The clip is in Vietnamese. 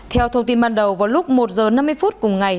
theo thông tin ban đầu vào lúc một h năm mươi phút cùng ngày